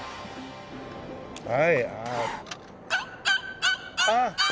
はい。